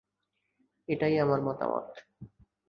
এটাই আমার মতামত।